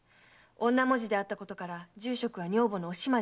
女文字であったことから住職は女房のお島ではないかと。